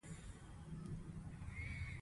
د دوی حرکت فقط د خوځیدونکي حرکت په شکل وي.